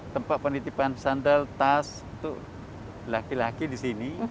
tempat penitipan sandal tas untuk laki laki di sini